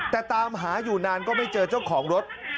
แต่ตามหาอยู่นานก็ไม่เจอเจ้าของรถ